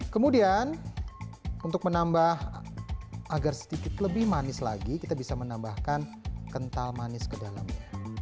kemudian untuk menambah agar sedikit lebih manis lagi kita bisa menambahkan kental manis ke dalamnya